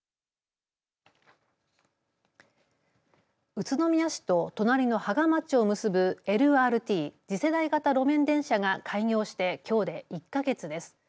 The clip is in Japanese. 宇都宮市と隣の芳賀町を結ぶＬＲＴ、次世代型路面電車が開業してきょうで１か月です。